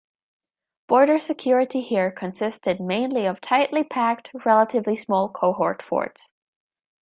Border security here consisted mainly of tightly packed, relatively small cohort forts.